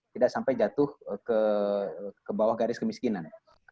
tidak sampai jatuh ke bawah garis kemiskinan